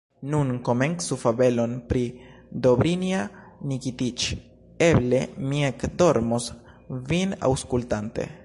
Nun komencu fabelon pri Dobrinja Nikitiĉ, eble mi ekdormos, vin aŭskultante!